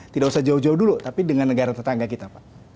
tidak usah jauh jauh dulu tapi dengan negara tetangga kita pak